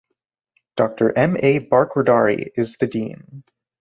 Doctor M. A. Barkhordari is the dean.